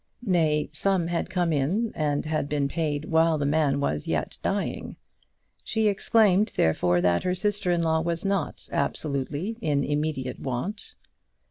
Nay, some had come in and had been paid while the man was yet dying. She exclaimed, therefore, that her sister in law was not absolutely in immediate want.